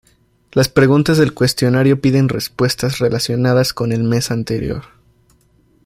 Las preguntas del cuestionario piden respuestas relacionadas con el mes anterior.